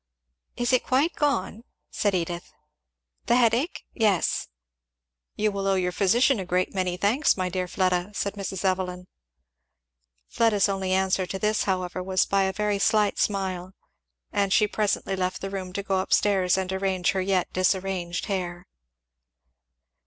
"Is it quite gone?" asked Edith. "The headache? yes." "You will owe your physician a great many thanks, my dear Fleda," said Mrs. Evelyn. Fleda's only answer to this, however, was by a very slight smile; and she presently left the room to go up stairs and arrange her yet disarranged hair.